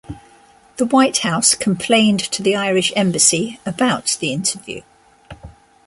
The White House complained to the Irish Embassy about the interview.